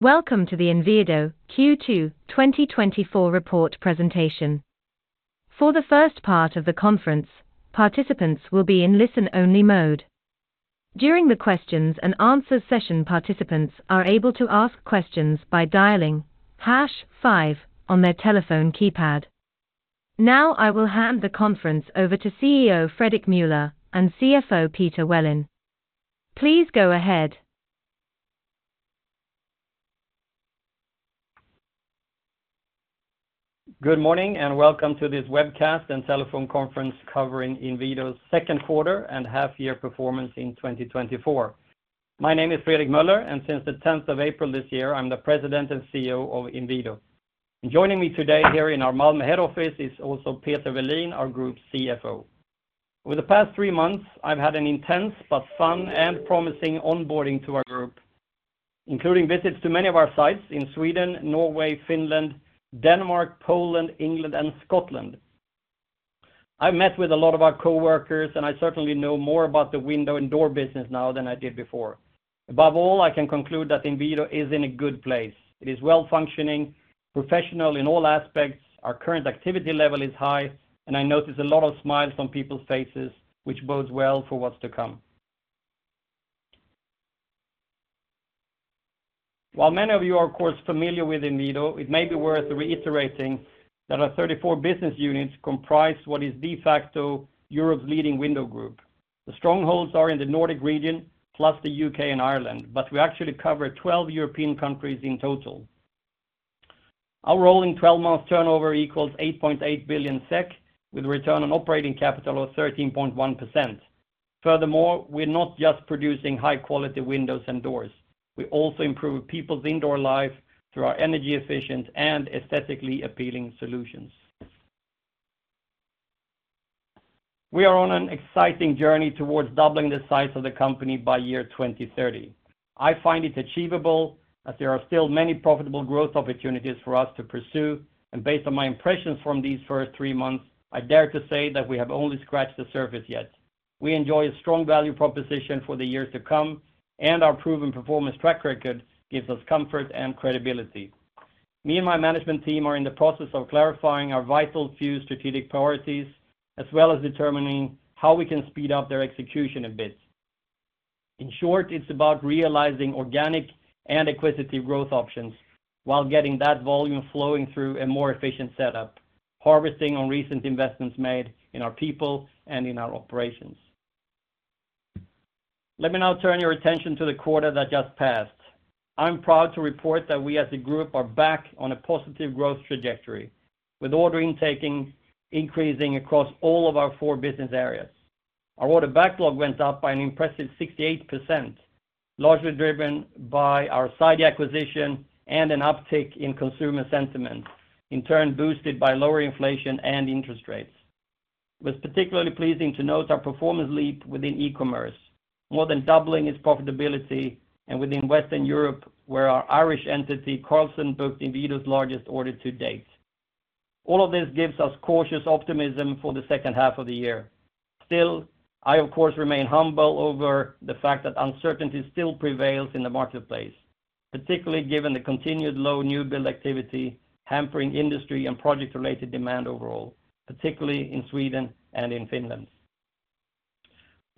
Welcome to the Inwido Q2 2024 Report Presentation. For the first part of the conference, participants will be in listen-only mode. During the questions and answer session, participants are able to ask questions by dialing hash five on their telephone keypad. Now, I will hand the conference over to CEO Fredrik Meuller and CFO Peter Welin. Please go ahead. Good morning, and welcome to this webcast and telephone conference covering Inwido's Second Quarter and Half Year Performance in 2024. My name is Fredrik Meuller, and since the tenth of April this year, I'm the President and CEO of Inwido. Joining me today here in our Malmö head office is also Peter Welin, our Group CFO. Over the past three months, I've had an intense but fun and promising onboarding to our group, including visits to many of our sites in Sweden, Norway, Finland, Denmark, Poland, England, and Scotland. I met with a lot of our coworkers, and I certainly know more about the window and door business now than I did before. Above all, I can conclude that Inwido is in a good place. It is well-functioning, professional in all aspects, our current activity level is high, and I notice a lot of smiles on people's faces, which bodes well for what's to come. While many of you are, of course, familiar with Inwido, it may be worth reiterating that our 34 business units comprise what is de facto Europe's leading window group. The strongholds are in the Nordic region, plus the UK and Ireland, but we actually cover 12 European countries in total. Our rolling 12-month turnover equals 8.8 billion SEK, with return on operating capital of 13.1%. Furthermore, we're not just producing high-quality windows and doors. We also improve people's indoor life through our energy efficient and aesthetically appealing solutions. We are on an exciting journey towards doubling the size of the company by 2030. I find it achievable, as there are still many profitable growth opportunities for us to pursue, and based on my impressions from these first three months, I dare to say that we have only scratched the surface, yet. We enjoy a strong value proposition for the years to come, and our proven performance track record gives us comfort and credibility. Me and my management team are in the process of clarifying our vital few strategic priorities, as well as determining how we can speed up their execution a bit. In short, it's about realizing organic and acquisitive growth options while getting that volume flowing through a more efficient setup, harvesting on recent investments made in our people and in our operations. Let me now turn your attention to the quarter that just passed. I'm proud to report that we, as a group, are back on a positive growth trajectory, with order intake increasing across all of our four business areas. Our order backlog went up by an impressive 68%, largely driven by our Sidey acquisition and an uptick in consumer sentiment, in turn, boosted by lower inflation and interest rates. It was particularly pleasing to note our performance leap within e-commerce, more than doubling its profitability and within Western Europe, where our Irish entity, Carlson, booked Inwido's largest order to date. All of this gives us cautious optimism for the second half of the year. Still, I, of course, remain humble over the fact that uncertainty still prevails in the marketplace, particularly given the continued low new build activity, hampering industry and project-related demand overall, particularly in Sweden and in Finland.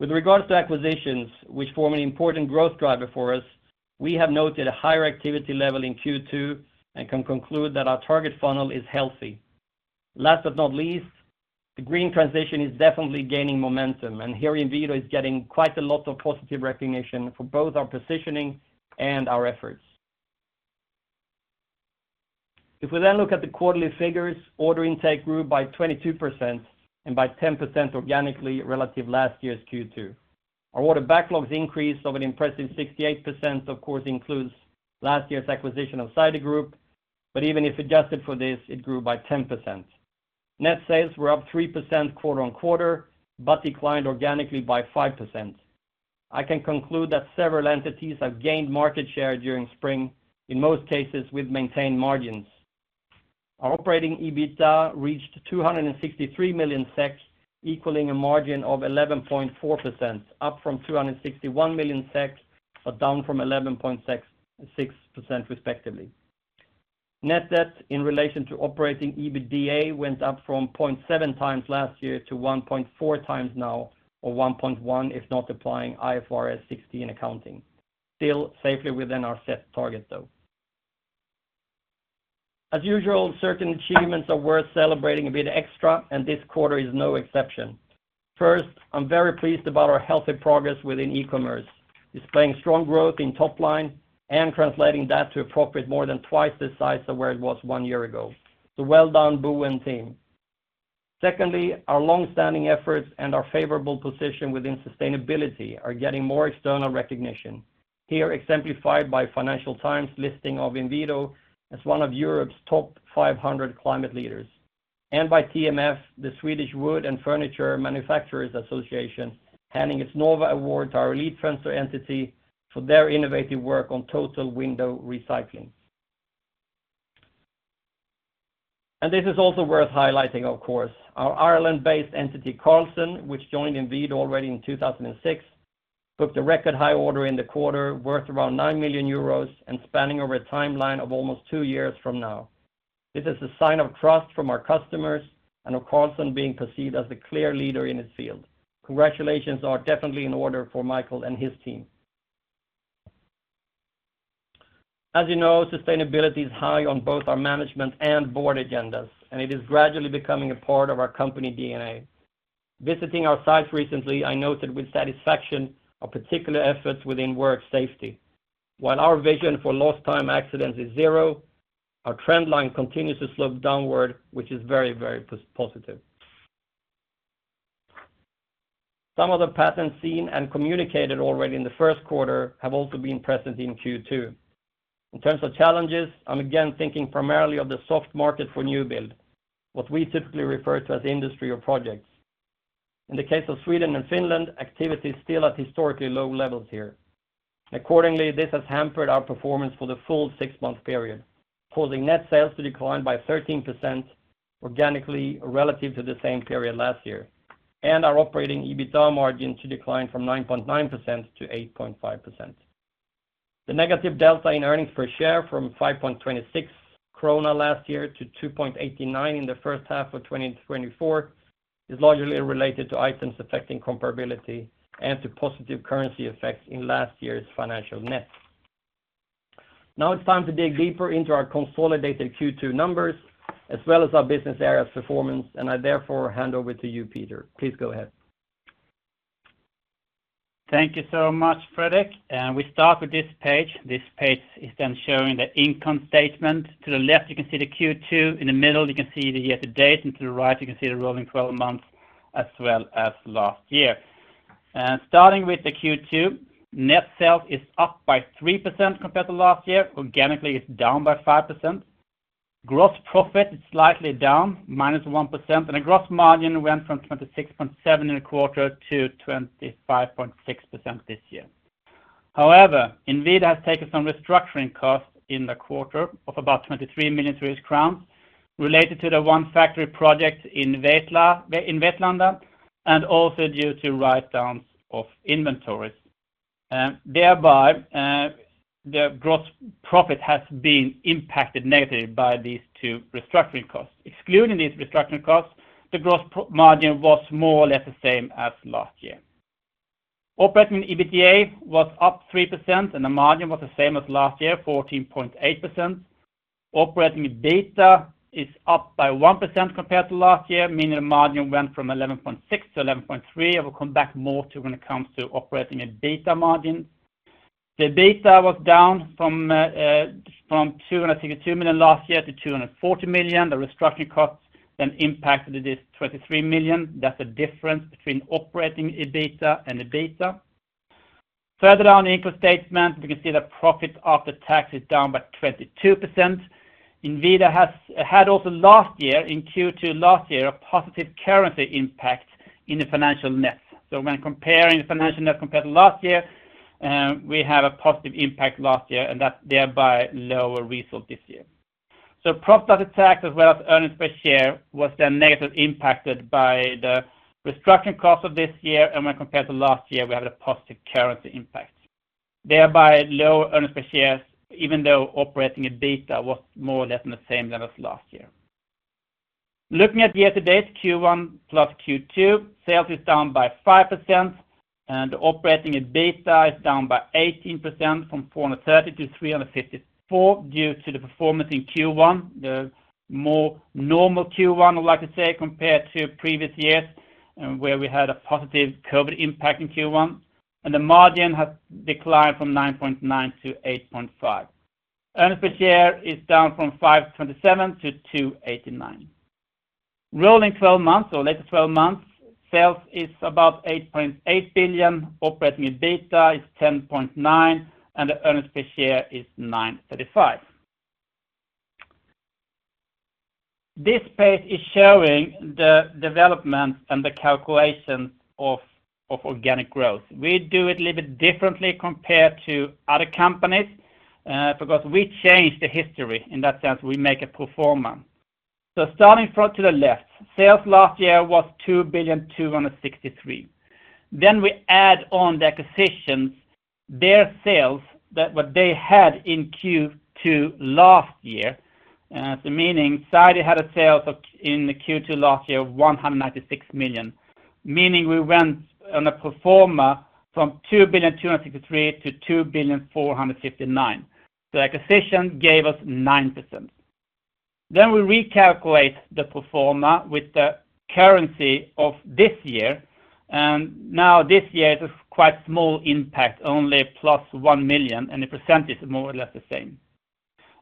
With regards to acquisitions, which form an important growth driver for us, we have noted a higher activity level in Q2 and can conclude that our target funnel is healthy. Last but not least, the green transition is definitely gaining momentum, and here, Inwido is getting quite a lot of positive recognition for both our positioning and our efforts. If we then look at the quarterly figures, order intake grew by 22% and by 10% organically relative to last year's Q2. Our order backlogs increase of an impressive 68%, of course, includes last year's acquisition of Sidey Group, but even if adjusted for this, it grew by 10%. Net sales were up 3% quarter-on-quarter, but declined organically by 5%. I can conclude that several entities have gained market share during spring, in most cases, with maintained margins. Our operating EBITDA reached 263 million SEK, equaling a margin of 11.4%, up from 261 million SEK, but down from 11.66%, respectively. Net debt in relation to operating EBITDA went up from 0.7 times last year to 1.4 times now, or 1.1, if not applying IFRS 16 in accounting. Still safely within our set target, though. As usual, certain achievements are worth celebrating a bit extra, and this quarter is no exception. First, I'm very pleased about our healthy progress within e-commerce, displaying strong growth in top line and translating that to a profit more than twice the size of where it was one year ago. So well done, Bo and team. Secondly, our long-standing efforts and our favorable position within sustainability are getting more external recognition. Here, exemplified by Financial Times listing of Inwido as one of Europe's top 500 climate leaders, and by TMF, the Swedish Wood and Furniture Manufacturers Association, handing its Nova Award to our Elitfönster entity for their innovative work on total window recycling. And this is also worth highlighting, of course. Our Ireland-based entity, Carlson, which joined Inwido already in 2006, booked a record high order in the quarter, worth around 9 million euros, and spanning over a timeline of almost two years from now. This is a sign of trust from our customers, and of Carlson being perceived as the clear leader in its field. Congratulations are definitely in order for Michael and his team. As you know, sustainability is high on both our management and board agendas, and it is gradually becoming a part of our company DNA. Visiting our site recently, I noted with satisfaction our particular efforts within work safety. While our vision for lost time accidents is zero, our trend line continues to slope downward, which is very, very positive. Some of the patterns seen and communicated already in the first quarter have also been present in Q2. In terms of challenges, I'm again thinking primarily of the soft market for new build, what we typically refer to as industry or projects. In the case of Sweden and Finland, activity is still at historically low levels here. Accordingly, this has hampered our performance for the full six-month period, causing net sales to decline by 13% organically, relative to the same period last year, and our Operating EBITDA margin to decline from 9.9% to 8.5%. The negative delta in earnings per share from 5.26 krona last year to 2.89 SEK in the first half of 2024, is largely related to items affecting comparability and to positive currency effects in last year's financial net. Now it's time to dig deeper into our consolidated Q2 numbers, as well as our business areas performance, and I therefore hand over to you, Peter. Please go ahead. Thank you so much, Fredrik. We start with this page. This page is then showing the income statement. To the left, you can see the Q2, in the middle, you can see the year-to-date, and to the right, you can see the rolling 12 months as well as last year. Starting with the Q2, net sales is up by 3% compared to last year. Organically, it's down by 5%. Gross profit is slightly down, -1%, and a gross margin went from 26.7% in a quarter to 25.6% this year. However, Inwido has taken some restructuring costs in the quarter of about 23 million Swedish crowns, related to the one factory project in Vetlanda, and also due to write downs of inventories. Thereby, the gross profit has been impacted negatively by these two restructuring costs. Excluding these restructuring costs, the gross profit margin was more or less the same as last year. Operating EBITDA was up 3%, and the margin was the same as last year, 14.8%. Operating EBITDA is up by 1% compared to last year, meaning the margin went from 11.6% to 11.3%. I will come back more to when it comes to operating EBITDA margin. The EBITDA was down from 262 million last year to 240 million. The restructuring costs then impacted this 23 million. That's the difference between operating EBITDA and EBITDA. Further down the income statement, we can see the profit after tax is down by 22%. Inwido had also last year, in Q2 last year, a positive currency impact in the financial net. So when comparing the financial net compared to last year, we have a positive impact last year, and that's thereby lower result this year. So profit after tax, as well as earnings per share, was then negatively impacted by the restructuring costs of this year, and when compared to last year, we had a positive currency impact. Thereby, lower earnings per share, even though operating EBITDA was more or less than the same level as last year. Looking at year-to-date, Q1 plus Q2, sales is down by 5%, and operating EBITDA is down by 18%, from 430 million to 354 million, due to the performance in Q1, the more normal Q1, I'd like to say, compared to previous years, where we had a positive COVID impact in Q1, and the margin has declined from 9.9% to 8.5%. Earnings per share is down from 5.27 to 2.89. Rolling 12 months, or later 12 months, sales is about 8.8 billion, operating EBITDA is 10.9%, and the earnings per share is 9.35. This page is showing the development and the calculation of organic growth. We do it a little bit differently compared to other companies, because we change the history. In that sense, we make a pro forma. So starting from the left, sales last year was 2.263 billion. Then we add on the acquisitions, their sales, that's what they had in Q2 last year, so meaning, Sidey had sales of in the Q2 last year of 196 million, meaning we went on a pro forma from 2.263 billion to 2.459 billion. The acquisition gave us 9%. Then we recalculate the pro forma with the currency of this year, and now this year, it is quite small impact, only +1 million, and the percentage is more or less the same.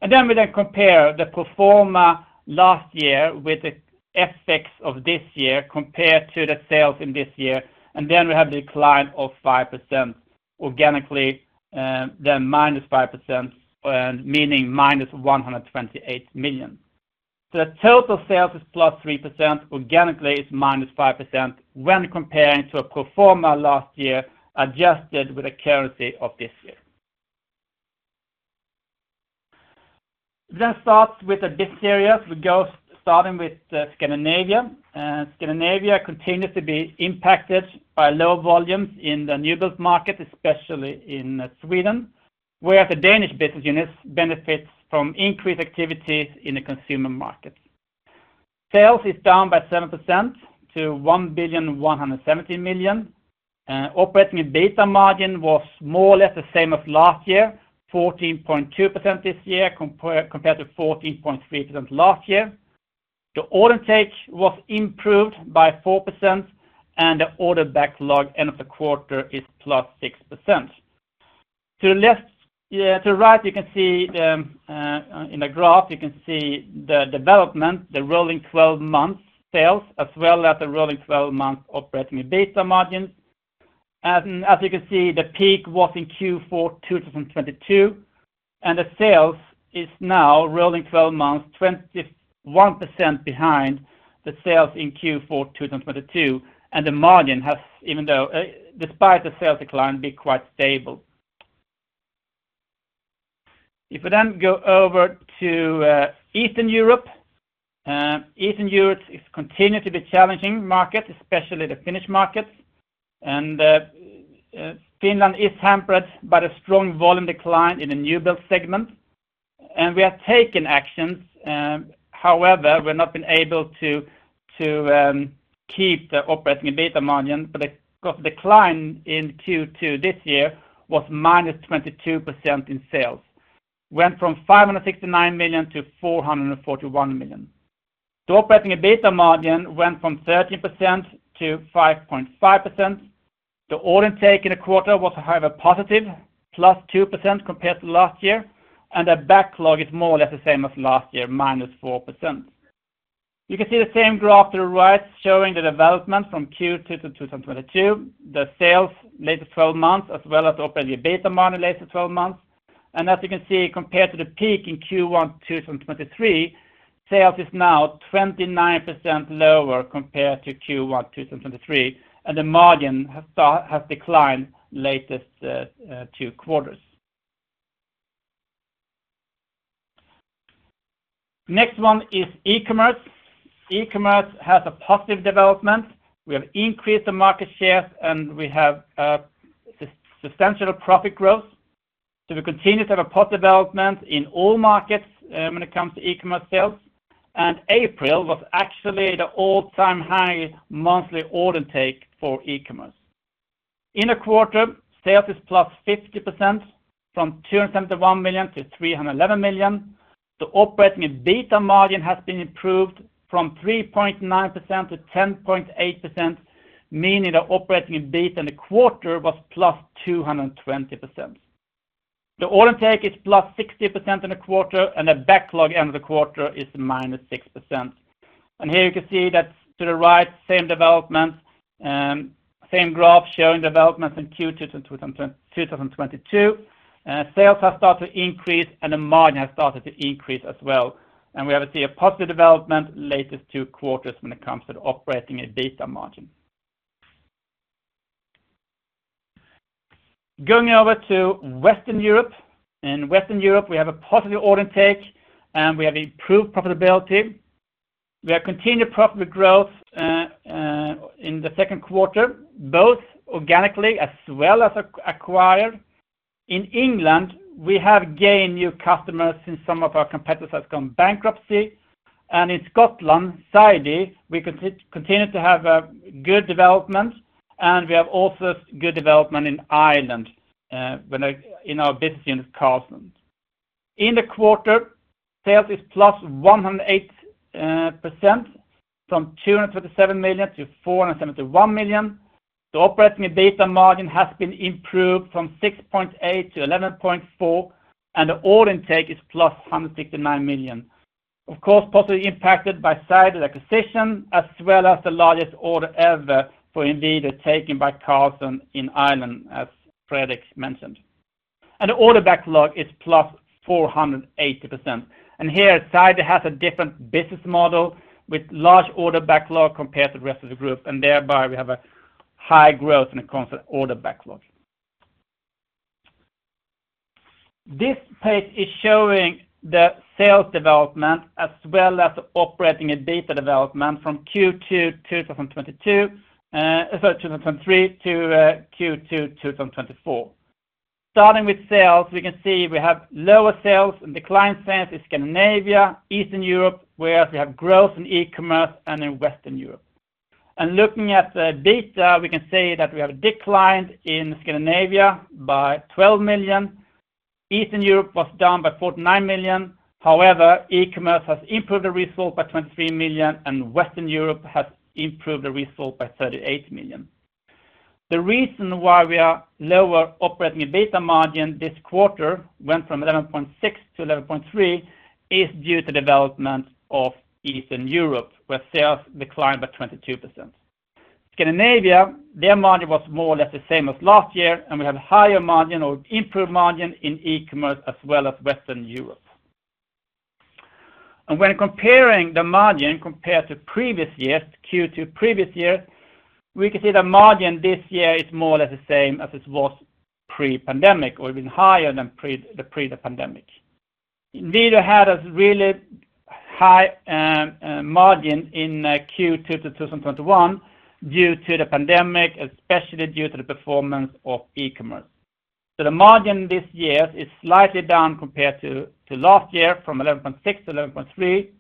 Then we compare the pro forma last year with the effects of this year compared to the sales in this year, and then we have a decline of 5% organically, then -5%, meaning -128 million. So the total sales is +3%, organically, it's -5%, when comparing to a pro forma last year, adjusted with the currency of this year. Let's start with the business area. We go, starting with, Scandinavia. Scandinavia continued to be impacted by low volumes in the new builds market, especially in Sweden, where the Danish business units benefits from increased activities in the consumer market. Sales is down by 7% to 1.170 billion. Operating EBITDA margin was more or less the same as last year, 14.2% this year, compared to 14.3% last year. The order intake was improved by 4%, and the order backlog end of the quarter is +6%. To the right, you can see in the graph, you can see the development, the rolling 12 months sales, as well as the rolling 12 month operating EBITDA margin. And as you can see, the peak was in Q4 2022, and the sales is now rolling 12 months, 21% behind the sales in Q4 2022, and the margin has, even though, despite the sales decline, been quite stable. If we then go over to Eastern Europe, Eastern Europe has continued to be a challenging market, especially the Finnish markets. And Finland is hampered by the strong volume decline in the new build segment, and we have taken actions, however, we've not been able to keep the operating EBITDA margin, but of course, the decline in Q2 this year was -22% in sales. Went from 569 million to 441 million. The operating EBITDA margin went from 13% to 5.5%. The order intake in the quarter was, however, positive, +2% compared to last year, and the backlog is more or less the same as last year, -4%. You can see the same graph to the right, showing the development from Q2 to 2022, the sales latest 12 months, as well as the operating EBITDA margin, latest 12 months. And as you can see, compared to the peak in Q1 2023, sales is now 29% lower compared to Q1 2023, and the margin has declined latest two quarters. Next one is e-commerce. E-commerce has a positive development. We have increased the market share, and we have substantial profit growth. So we continue to have a positive development in all markets when it comes to e-commerce sales, and April was actually the all-time high monthly order intake for e-commerce. In a quarter, sales is +50%, from 271 million to 311 million. The operating EBITDA margin has been improved from 3.9% to 10.8%, meaning the operating EBITDA in the quarter was +220%. The order intake is +60% in the quarter, and the backlog end of the quarter is -6%. Here you can see that to the right, same development, same graph showing developments in Q2 in 2022. Sales have started to increase, and the margin has started to increase as well. We have to see a positive development latest two quarters when it comes to the operating EBITDA margin. Going over to Western Europe. In Western Europe, we have a positive order intake, and we have improved profitability. We have continued profit growth in the second quarter, both organically as well as acquired. In England, we have gained new customers since some of our competitors have gone bankrupt, and in Scotland, Sidey, we continue to have a good development, and we have also good development in Ireland, when in our business unit, Carlson. In the quarter, sales is +108%, from 237 million to 471 million. The operating EBITDA margin has been improved from 6.8% to 11.4%, and the order intake is +169 million. Of course, positively impacted by Sidey acquisition, as well as the largest order ever for Inwido, taken by Carlson in Ireland, as Fredrik mentioned. And the order backlog is +480%. Here, Sidey has a different business model with large order backlog compared to the rest of the group, and thereby, we have a high growth in the constant order backlog. This page is showing the sales development, as well as the operating EBITDA development from Q2 2022, sorry, 2023 to Q2 2024. Starting with sales, we can see we have lower sales and decline sales in Scandinavia, Eastern Europe, whereas we have growth in e-commerce and in Western Europe. Looking at the EBITDA, we can say that we have a decline in Scandinavia by 12 million. Eastern Europe was down by 49 million. However, e-commerce has improved the result by 23 million, and Western Europe has improved the result by 38 million. The reason why we are lower operating EBITDA margin this quarter, went from 11.6 to 11.3, is due to development of Eastern Europe, where sales declined by 22%. Scandinavia, their margin was more or less the same as last year, and we have higher margin or improved margin in e-commerce as well as Western Europe. And when comparing the margin compared to previous years, Q2 previous year, we can see the margin this year is more or less the same as it was pre-pandemic, or even higher than pre-pandemic. Indeed, we had a really high margin in Q2 2021 due to the pandemic, especially due to the performance of e-commerce. So the margin this year is slightly down compared to last year, from 11.6% to 11.3%,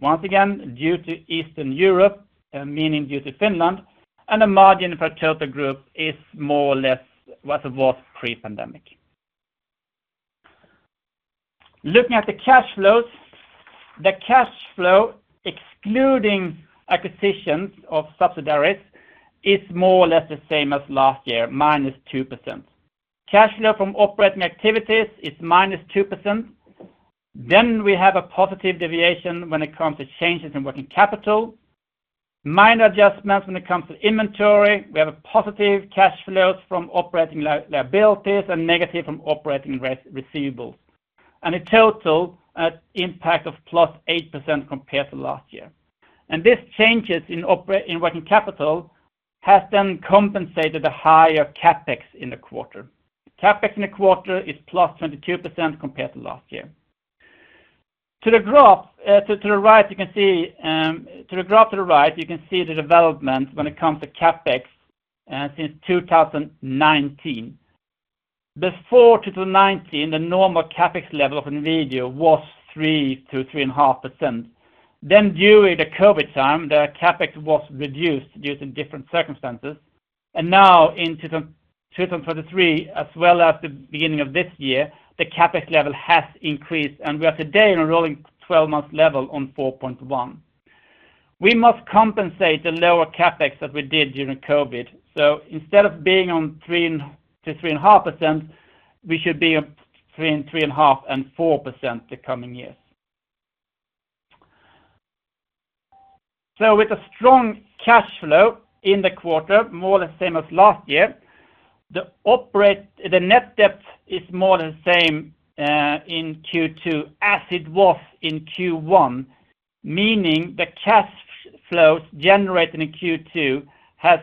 once again, due to Eastern Europe, meaning due to Finland, and the margin for total group is more or less what it was pre-pandemic. Looking at the cash flows, the cash flow, excluding acquisitions of subsidiaries, is more or less the same as last year, -2%. Cash flow from operating activities is -2%. Then we have a positive deviation when it comes to changes in working capital. Minor adjustments when it comes to inventory, we have a positive cash flows from operating liabilities and negative from operating receivables, and a total impact of +8% compared to last year. And this changes in working capital has then compensated a higher CapEx in the quarter. CapEx in the quarter is +22% compared to last year. To the graph to the right, you can see to the graph to the right, you can see the development when it comes to CapEx since 2019. Before 2019, the normal CapEx level of Inwido was 3%-3.5%. Then during the COVID time, the CapEx was reduced due to different circumstances, and now in 2023, as well as the beginning of this year, the CapEx level has increased, and we are today in a rolling 12-month level on 4.1%. We must compensate the lower CapEx that we did during COVID, so instead of being on 3%-3.5%, we should be on 3%, 3.5%, and 4% the coming years. So with a strong cash flow in the quarter, more or less the same as last year, the net debt is more or less the same in Q2 as it was in Q1, meaning the cash flows generated in Q2 has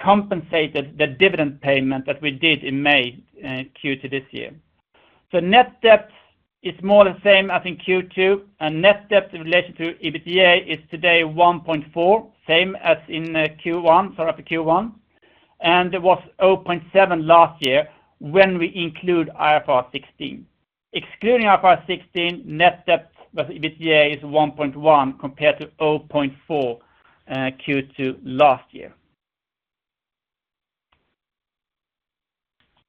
compensated the dividend payment that we did in May, Q2 this year. So net debt is more or less the same as in Q2, and net debt in relation to EBITDA is today 1.4, same as in Q1, sorry, for Q1, and it was 0.7 last year when we include IFRS 16. Excluding IFRS 16, net debt with EBITDA is 1.1, compared to 0.4 Q2 last year.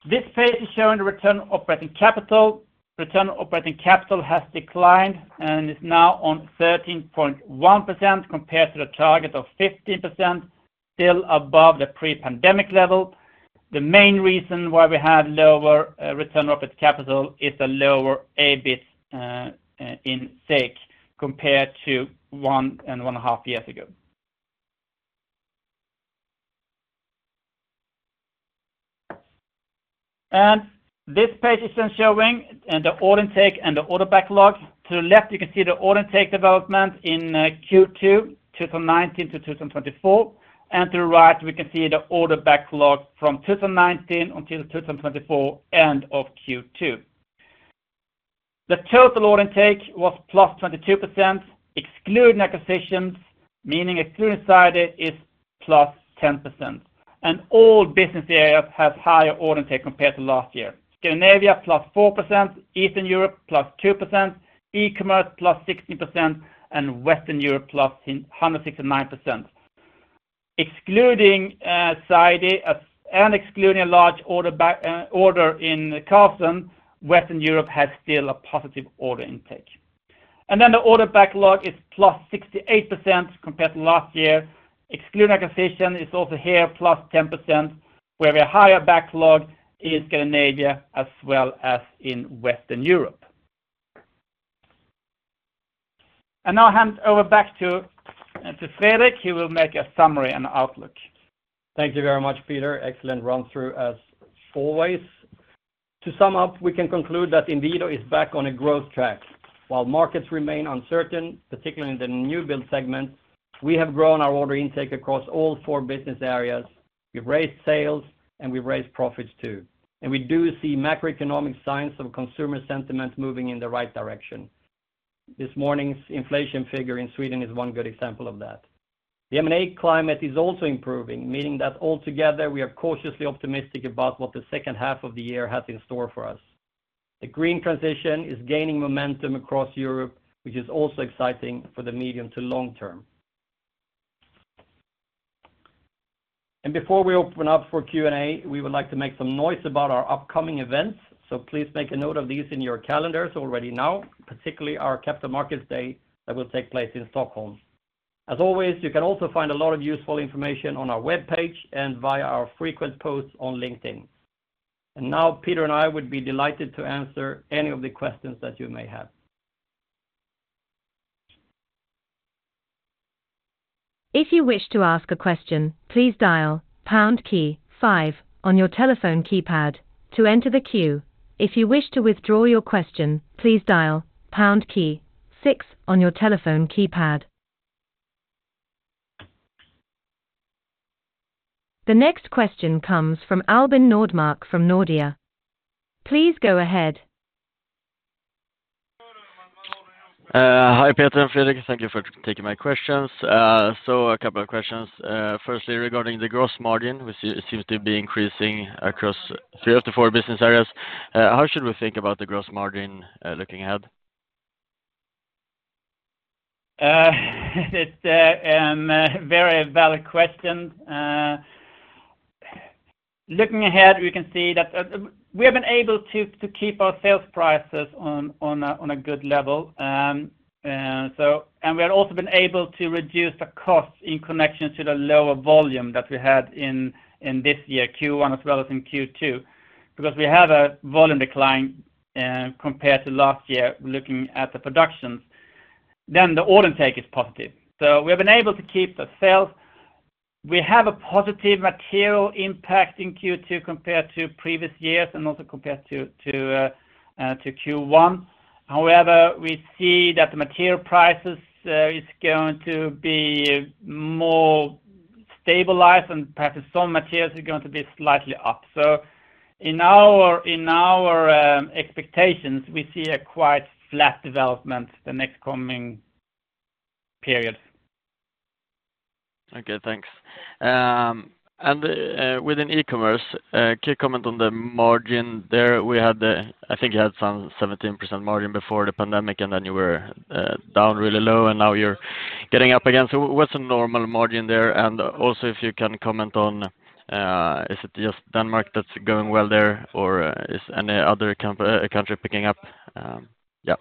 This page is showing the return operating capital. Return on operating capital has declined, and is now at 13.1% compared to the target of 15%, still above the pre-pandemic level. The main reason why we have lower return on operating capital is a lower EBIT intake compared to one and one and a half years ago. This page is then showing the order intake and the order backlog. To the left, you can see the order intake development in Q2 2019 to 2024, and to the right, we can see the order backlog from 2019 until 2024, end of Q2. The total order intake was +22%, excluding acquisitions, meaning excluding Sidey, is +10%, and all business areas have higher order intake compared to last year. Scandinavia +4%, Eastern Europe +2%, e-commerce +16%, and Western Europe +169%. Excluding Sidey and excluding a large order in Carlson, Western Europe has still a positive order intake. And then the order backlog is +68% compared to last year. Excluding acquisition, it's also here +10%, where we have higher backlog in Scandinavia as well as in Western Europe. And now I hand over back to Fredrik. He will make a summary and outlook. Thank you very much, Peter. Excellent run through as always. To sum up, we can conclude that Inwido is back on a growth track. While markets remain uncertain, particularly in the new build segment, we have grown our order intake across all four business areas. We've raised sales, and we've raised profits, too. And we do see macroeconomic signs of consumer sentiment moving in the right direction. This morning's inflation figure in Sweden is one good example of that. The M&A climate is also improving, meaning that altogether, we are cautiously optimistic about what the second half of the year has in store for us. The green transition is gaining momentum across Europe, which is also exciting for the medium to long term. Before we open up for Q&A, we would like to make some noise about our upcoming events, so please make a note of these in your calendars already now, particularly our Capital Markets Day that will take place in Stockholm. As always, you can also find a lot of useful information on our webpage and via our frequent posts on LinkedIn. And now, Peter and I would be delighted to answer any of the questions that you may have. If you wish to ask a question, please dial pound key five on your telephone keypad to enter the queue. If you wish to withdraw your question, please dial pound key six on your telephone keypad. The next question comes from Albin Nordmark from Nordea. Please go ahead. Hi, Peter and Fredrik. Thank you for taking my questions. So a couple of questions. Firstly, regarding the gross margin, which seems to be increasing across three of the four business areas, how should we think about the gross margin looking ahead? It's a very valid question. Looking ahead, we can see that we have been able to keep our sales prices on a good level. And we have also been able to reduce the cost in connection to the lower volume that we had in this year, Q1 as well as in Q2. Because we have a volume decline compared to last year, looking at the productions, then the order intake is positive. So we have been able to keep the sales. We have a positive material impact in Q2 compared to previous years and also compared to Q1. However, we see that the material prices is going to be more stabilized and perhaps some materials are going to be slightly up. So in our expectations, we see a quite flat development the next coming period. Okay, thanks. Within e-commerce, key comment on the margin there, we had the, I think you had some 17% margin before the pandemic, and then you were down really low, and now you're getting up again. So what's the normal margin there? And also, if you can comment on, is it just Denmark that's going well there, or is any other country picking up? Yeah.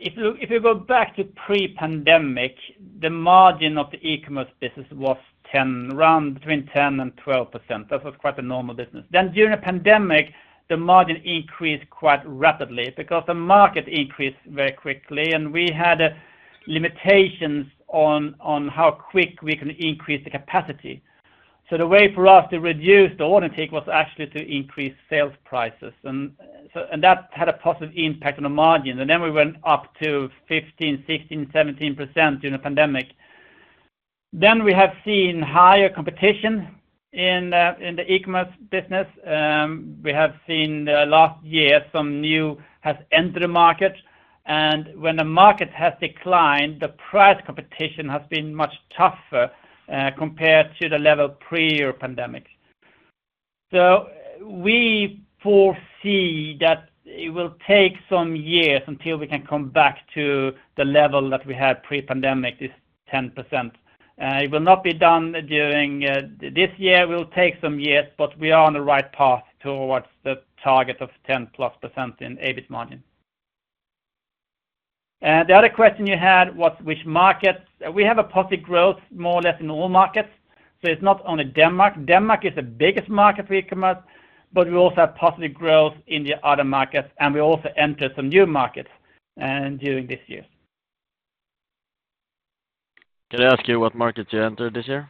If you go back to pre-pandemic, the margin of the e-commerce business was 10, around between 10 and 12%. That was quite a normal business. Then during the pandemic, the margin increased quite rapidly because the market increased very quickly, and we had limitations on how quick we can increase the capacity. So the way for us to reduce the order intake was actually to increase sales prices. And so, and that had a positive impact on the margin, and then we went up to 15, 16, 17% during the pandemic. Then we have seen higher competition in the e-commerce business. We have seen last year, some new have entered the market, and when the market has declined, the price competition has been much tougher compared to the level pre-pandemic. So we foresee that it will take some years until we can come back to the level that we had pre-pandemic, this 10%. It will not be done during this year. It will take some years, but we are on the right path towards the target of 10%+ in EBIT margin. The other question you had was which markets? We have a positive growth, more or less in all markets, so it's not only Denmark. Denmark is the biggest market for e-commerce, but we also have positive growth in the other markets, and we also entered some new markets during this year. Can I ask you what markets you entered this year?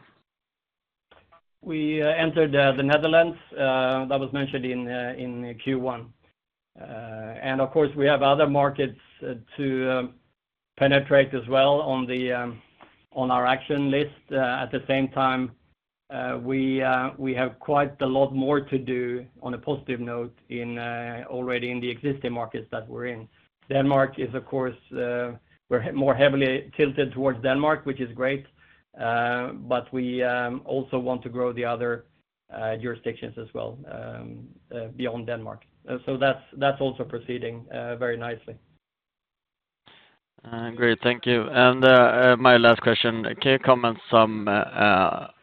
We entered the Netherlands that was mentioned in Q1. And of course, we have other markets to penetrate as well on our action list. At the same time, we have quite a lot more to do on a positive note in the existing markets that we're in. Denmark is, of course, we're more heavily tilted towards Denmark, which is great. But we also want to grow the other jurisdictions as well beyond Denmark. So that's also proceeding very nicely. Great. Thank you. My last question: can you comment some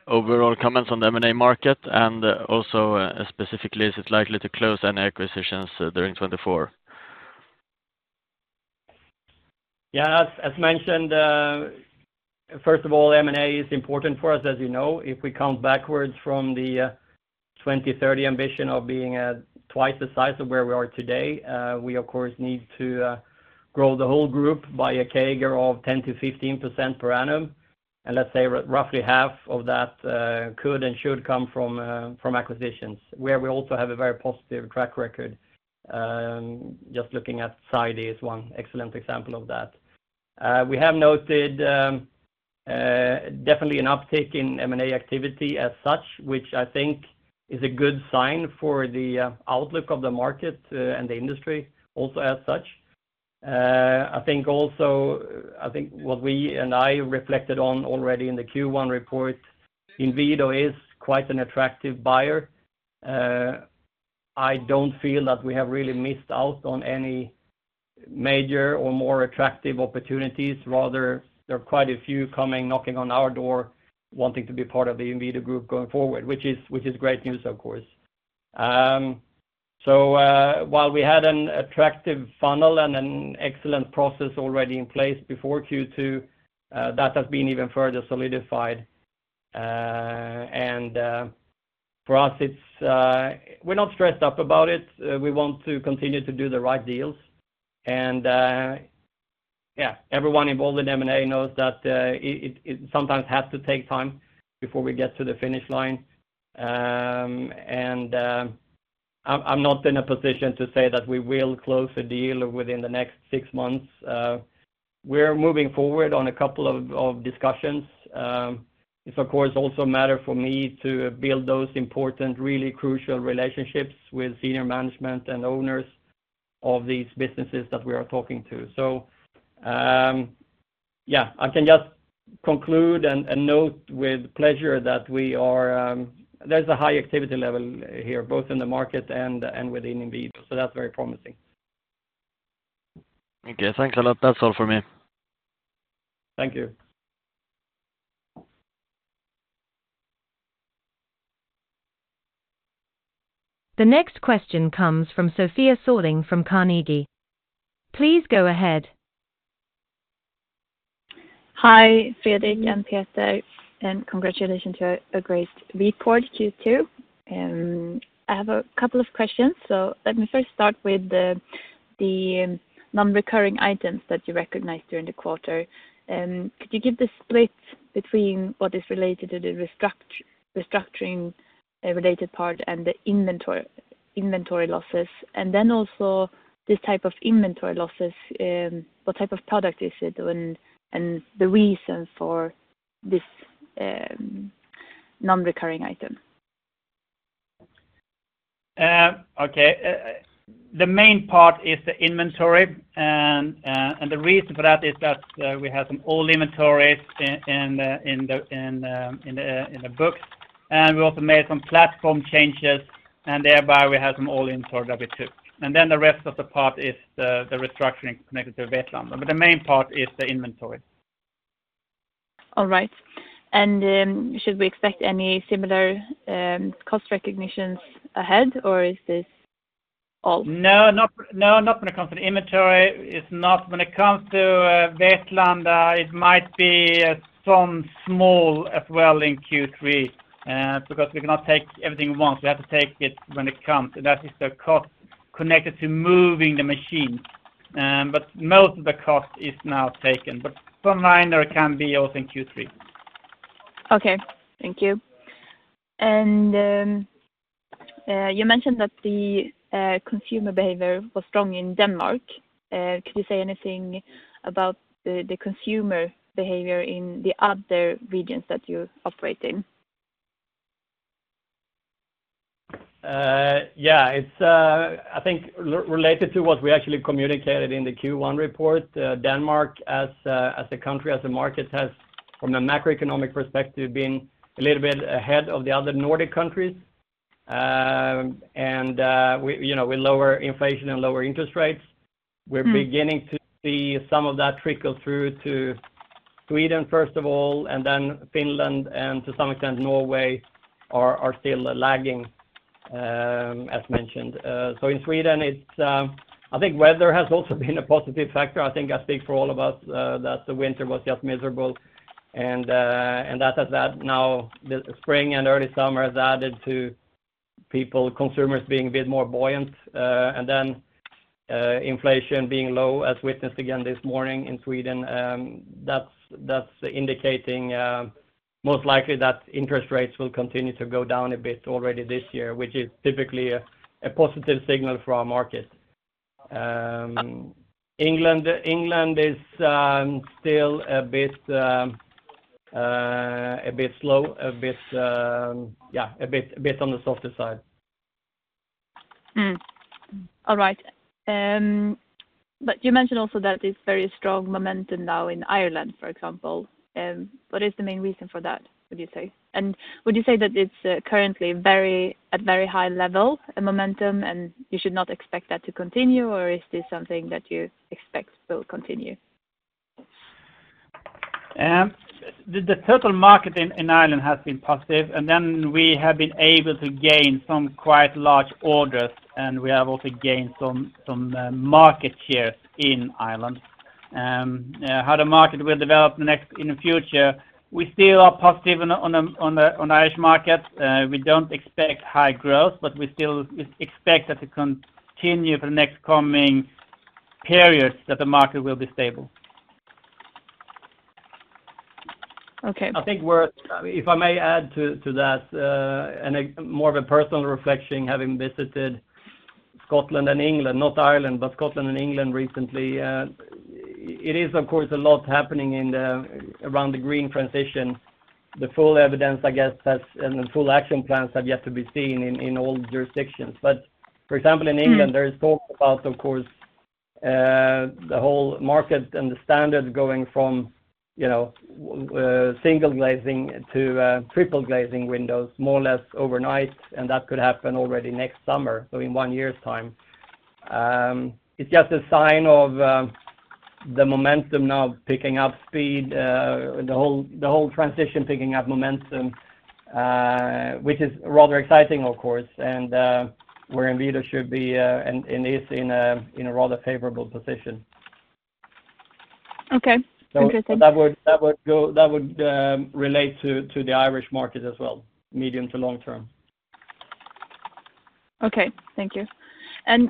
overall comments on the M&A market, and also specifically, is it likely to close any acquisitions during 2024? Yeah, as mentioned, first of all, M&A is important for us, as you know. If we count backwards from the 2030 ambition of being twice the size of where we are today, we, of course, need to grow the whole group by a CAGR of 10% - 15% per annum. And let's say roughly half of that could and should come from acquisitions, where we also have a very positive track record. Just looking at Sidey is one excellent example of that. We have noted definitely an uptick in M&A activity as such, which I think is a good sign for the outlook of the market and the industry also as such. I think also, I think what we and I reflected on already in the Q1 report, Inwido is quite an attractive buyer. I don't feel that we have really missed out on any major or more attractive opportunities. Rather, there are quite a few coming, knocking on our door, wanting to be part of the Inwido Group going forward, which is great news, of course. While we had an attractive funnel and an excellent process already in place before Q2, that has been even further solidified, and, for us, it's, we're not stressed up about it. We want to continue to do the right deals, and, yeah, everyone involved in M&A knows that it sometimes has to take time before we get to the finish line. I'm not in a position to say that we will close a deal within the next 6 months. We're moving forward on a couple of discussions. It's, of course, also a matter for me to build those important, really crucial relationships with senior management and owners of these businesses that we are talking to. So, yeah, I can just conclude and note with pleasure that there's a high activity level here, both in the market and within Inwido, so that's very promising. Okay. Thanks a lot. That's all for me. Thank you. The next question comes from Sofia Sörling from Carnegie. Please go ahead. Hi, Fredrik and Peter, and congratulations to a great report, Q2. I have a couple of questions, so let me first start with the non-recurring items that you recognized during the quarter. Could you give the split between what is related to the restructuring related part and the inventory losses? And then also this type of inventory losses, what type of product is it, and the reason for this non-recurring item? Okay. The main part is the inventory, and the reason for that is that we have some old inventories in the books, and we also made some platform changes, and thereby we had some old inventory with it too. And then the rest of the part is the restructuring connected to Vetlanda. But the main part is the inventory. All right. And, should we expect any similar, cost recognitions ahead, or is this all? No, not, no, not when it comes to the inventory. It's not when it comes to Vetlanda, it might be some small as well in Q3, because we cannot take everything at once. We have to take it when it comes, and that is the cost connected to moving the machine. But most of the cost is now taken, but some minor can be also in Q3. Okay, thank you. And, you mentioned that the consumer behavior was strong in Denmark. Could you say anything about the consumer behavior in the other regions that you operate in? Yeah, it's, I think related to what we actually communicated in the Q1 report. Denmark, as a, as a country, as a market, has, from the macroeconomic perspective, been a little bit ahead of the other Nordic countries. And we, you know, with lower inflation and lower interest rates. We're beginning to see some of that trickle through to Sweden, first of all, and then Finland, and to some extent, Norway are still lagging, as mentioned. So in Sweden, it's, I think weather has also been a positive factor. I think I speak for all of us, that the winter was just miserable, and that has had now the spring and early summer has added to people, consumers being a bit more buoyant, and then, inflation being low, as witnessed again this morning in Sweden, that's indicating, most likely that interest rates will continue to go down a bit already this year, which is typically a positive signal for our market. England is still a bit slow, a bit, yeah, a bit on the softer side. All right. But you mentioned also that it's very strong momentum now in Ireland, for example. What is the main reason for that, would you say? And would you say that it's currently very, at very high level, a momentum, and you should not expect that to continue, or is this something that you expect will continue? The total market in Ireland has been positive, and then we have been able to gain some quite large orders, and we have also gained some market share in Ireland. How the market will develop next in the future, we still are positive on the Irish market. We don't expect high growth, but we still expect that to continue for the next coming periods, that the market will be stable. Okay. I think we're, if I may add to that, and more of a personal reflection, having visited Scotland and England, not Ireland, but Scotland and England recently, it is, of course, a lot happening in around the green transition. The full evidence, I guess, has, and the full action plans have yet to be seen in all jurisdictions. But, for example, in England there is talk about, of course, the whole market and the standard going from, you know, single glazing to triple glazing windows, more or less overnight, and that could happen already next summer, so in one year's time. It's just a sign of the momentum now picking up speed, the whole transition picking up momentum, which is rather exciting, of course, and where Inwido should be and is in a rather favorable position. Okay, interesting. So that would relate to the Irish market as well, medium to long term. Okay, thank you.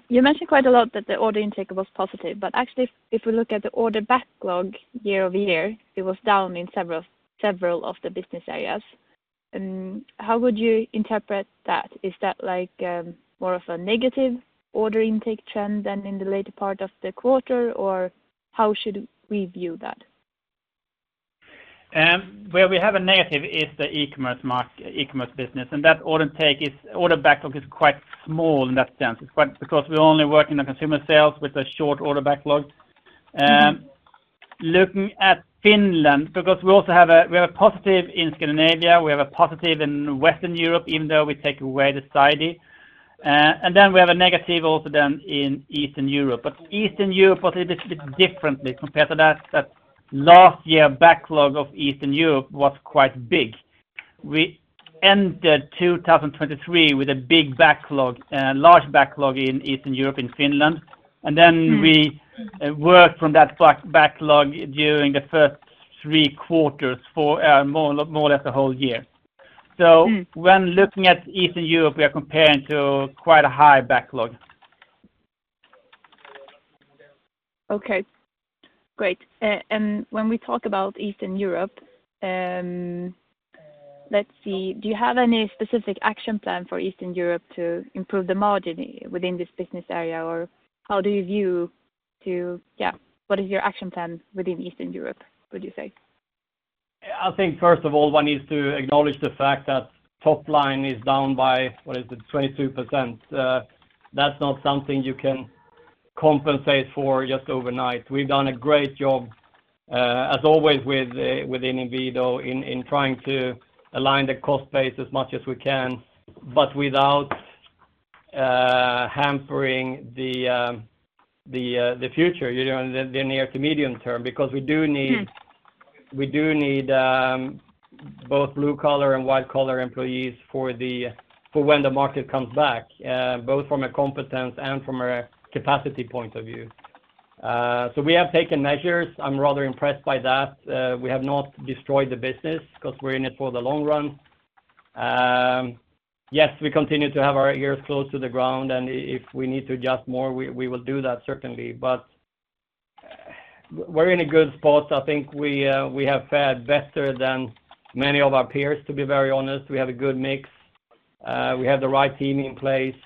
You mentioned quite a lot that the order intake was positive, but actually if we look at the order backlog year-over-year, it was down in several of the business areas. How would you interpret that? Is that like, more of a negative order intake trend than in the later part of the quarter? Or how should we view that? Where we have a negative is the e-commerce market, e-commerce business, and that order take is, order backlog is quite small in that sense. It's quite because we only work in the consumer sales with a short order backlog. Looking at Finland, because we also have we have a positive in Scandinavia, we have a positive in Western Europe, even though we take away the Sidey. And then we have a negative also then in Eastern Europe. But Eastern Europe was a bit differently compared to that last year, backlog of Eastern Europe was quite big. We ended 2023 with a big backlog, large backlog in Eastern Europe and Finland. And then we worked from that backlog during the first three quarters for more or less the whole year. So When looking at Eastern Europe, we are comparing to quite a high backlog. Okay, great. When we talk about Eastern Europe, do you have any specific action plan for Eastern Europe to improve the margin within this business area? Or how do you view to...? Yeah, what is your action plan within Eastern Europe, would you say? I think, first of all, one needs to acknowledge the fact that top line is down by, what is it? 22%. That's not something you can compensate for just overnight. We've done a great job, as always, with, within Inwido, in trying to align the cost base as much as we can, but without hampering the future, you know, the near to medium term. Because we do need both blue-collar and white-collar employees for the, for when the market comes back, both from a competence and from a capacity point of view. So we have taken measures. I'm rather impressed by that. We have not destroyed the business, 'cause we're in it for the long run. Yes, we continue to have our ears close to the ground, and if we need to adjust more, we will do that, certainly. But we're in a good spot. I think we have fared better than many of our peers, to be very honest. We have a good mix. We have the right team in place,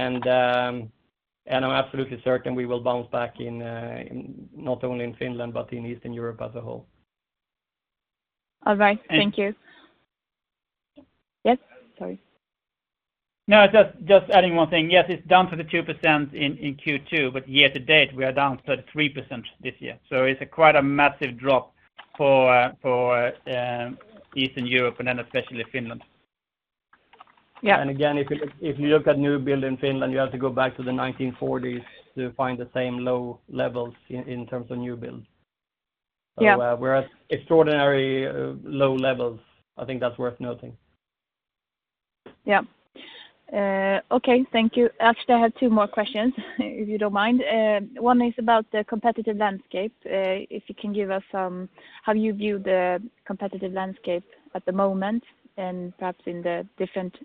and I'm absolutely certain we will bounce back in not only in Finland, but in Eastern Europe as a whole. All right. And Thank you. Yes, sorry. No, just adding one thing. Yes, it's down 32% in Q2, but year to date, we are down 33% this year. So it's quite a massive drop for Eastern Europe and then especially Finland. Yeah. And again, if you look, if you look at new build in Finland, you have to go back to the 1940s to find the same low levels in, in terms of new build. Yeah. So, we're at extraordinary, low levels. I think that's worth noting. Yeah. Okay, thank you. Actually, I have two more questions, if you don't mind. One is about the competitive landscape. If you can give us how you view the competitive landscape at the moment, and perhaps in the different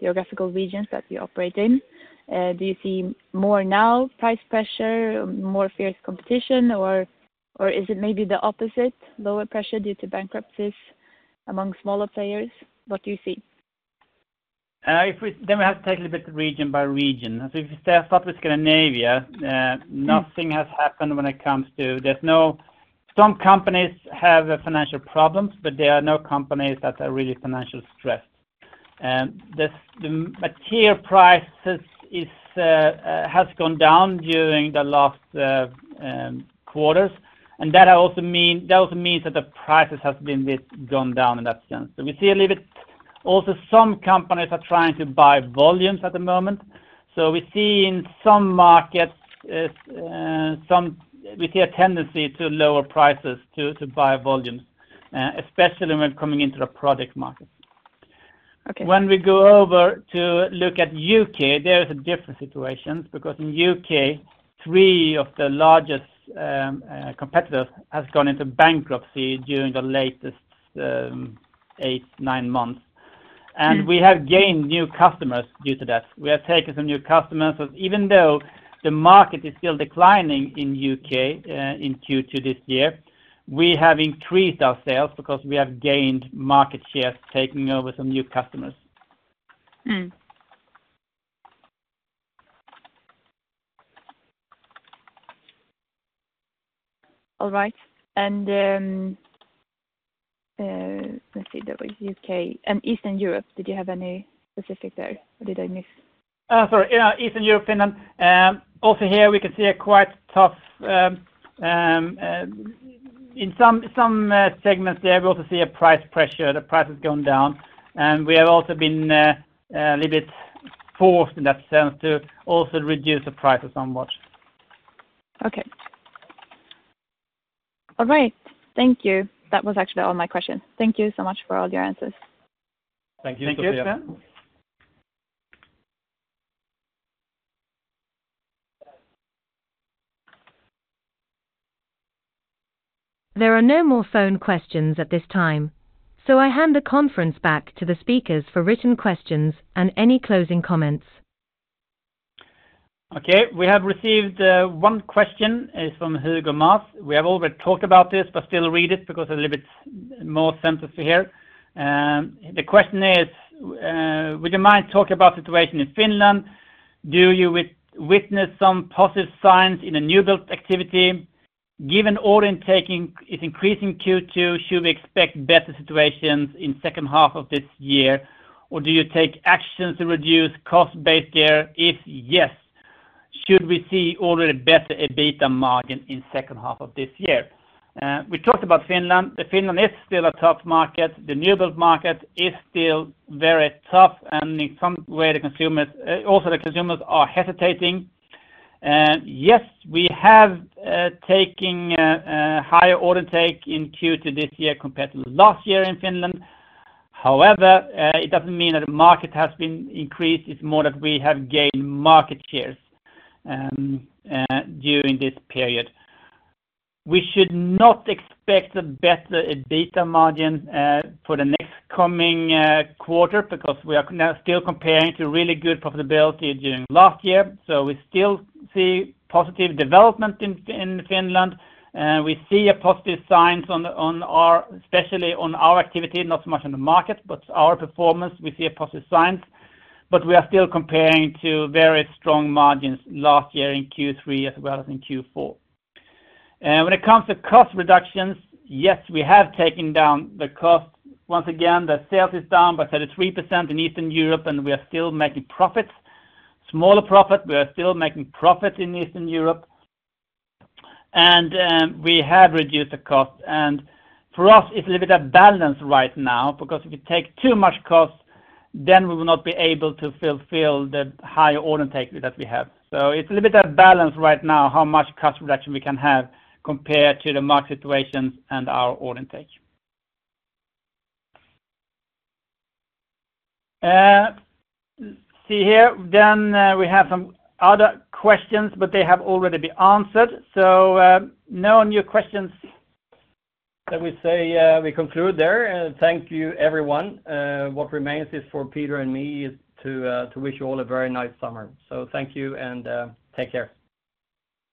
geographical regions that you operate in. Do you see more now price pressure, more fierce competition, or is it maybe the opposite, lower pressure due to bankruptcies among smaller players? What do you see? Then we have to take a little bit region by region. So if you start off with Scandinavia nothing has happened when it comes to, there's some companies have financial problems, but there are no companies that are really financially stressed. The material prices has gone down during the last quarters. And that also mean, that also means that the prices have been bit gone down in that sense. So we see a little bit, also, some companies are trying to buy volumes at the moment. So we see in some markets, we see a tendency to lower prices to, to buy volumes, especially when coming into the product market. Okay. When we go over to look at U.K., there is a different situation. Because in U.K., three of the largest competitors have gone into bankruptcy during the latest 8-9 months. We have gained new customers due to that. We have taken some new customers, so even though the market is still declining in U.K., in Q2 this year, we have increased our sales because we have gained market share, taking over some new customers. All right. And, let's see, that was U.K. and Eastern Europe. Did you have any specific there, or did I miss? Sorry, yeah, Eastern Europe, Finland. Also here we can see a quite tough in some segments there, we also see a price pressure, the price has gone down. And we have also been a little bit forced in that sense to also reduce the prices somewhat. Okay. All right, thank you. That was actually all my questions. Thank you so much for all your answers. Thank you, Sofia. There are no more phone questions at this time, so I hand the conference back to the speakers for written questions and any closing comments. Okay, we have received one question from Hugo Mörse. We have already talked about this, but still read it because a little bit more sense to hear. The question is: Would you mind talking about the situation in Finland? Do you witness some positive signs in the new build activity? Given order intake is increasing Q2, should we expect better situations in second half of this year, or do you take actions to reduce cost base there? If yes, should we see already better EBITDA margin in second half of this year? We talked about Finland. Finland is still a tough market. The new build market is still very tough, and in some way, the consumers also the consumers are hesitating. And yes, we have taking a higher order intake in Q2 this year compared to last year in Finland. However, it doesn't mean that the market has been increased. It's more that we have gained market shares during this period. We should not expect a better EBITDA margin for the next coming quarter, because we are now still comparing to really good profitability during last year. So we still see positive development in Finland, and we see a positive signs on our, especially on our activity, not so much on the market, but our performance, we see a positive sign. But we are still comparing to very strong margins last year in Q3 as well as in Q4. When it comes to cost reductions, yes, we have taken down the cost. Once again, the sales is down by 33% in Eastern Europe, and we are still making profits. Smaller profit, we are still making profit in Eastern Europe, and, we have reduced the cost. And for us, it's a little bit of balance right now, because if we take too much cost, then we will not be able to fulfill the higher order take that we have. So it's a little bit of balance right now, how much cost reduction we can have compared to the market situations and our order take. See here, then, we have some other questions, but they have already been answered. So, no new questions. That we say, we conclude there. Thank you, everyone. What remains is for Peter and me is to, to wish you all a very nice summer. So thank you, and, take care.